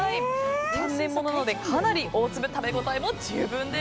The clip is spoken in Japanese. ３年物なのでかなり大粒食べ応えも十分です。